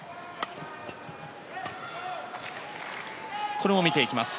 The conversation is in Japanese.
これも見ていきました。